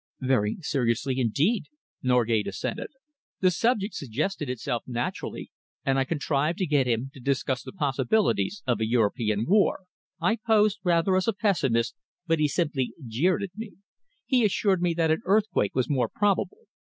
"Very seriously, indeed," Norgate assented. "The subject suggested itself naturally, and I contrived to get him to discuss the possibilities of a European war. I posed rather as a pessimist, but he simply jeered at me. He assured me that an earthquake was more probable.